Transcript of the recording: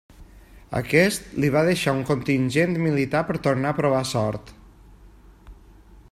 Aquest li va deixar un contingent militar per tornar a provar sort.